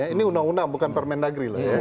ini undang undang bukan permendagri loh